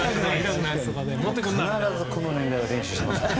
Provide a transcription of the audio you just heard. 必ずこの年代は練習しています。